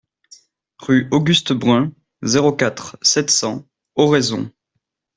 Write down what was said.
Rue Auguste Brun, zéro quatre, sept cents Oraison